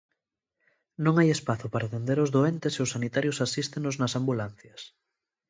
Non hai espazo para atender os doentes e os sanitarios asístenos nas ambulancias.